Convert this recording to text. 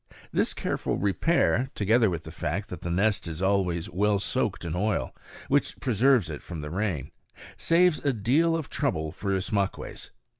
This careful repair, together with the fact that the nest is always well soaked in oil, which preserves it from the rain, saves a deal of trouble for Ismaques.